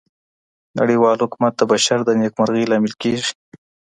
نړیوال حکومت د بشر د نیکمرغۍ لامل کیږي.